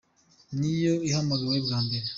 niyo ihamagawe bwa mbere.